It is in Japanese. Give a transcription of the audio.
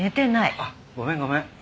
あっごめんごめん。